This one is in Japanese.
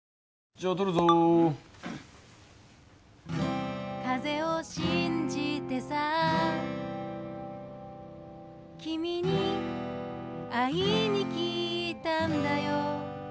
じゃあ撮るぞ風を信じてさ君に会いに来たんだよ